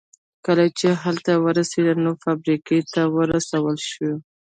کله چې هلته ورسېد نو فابريکې ته ورسول شو.